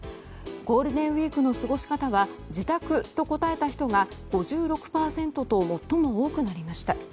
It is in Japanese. ゴールデンウィークの過ごし方は自宅と答えた人が５６％と最も多くなりました。